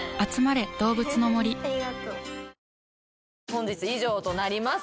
本日以上となります。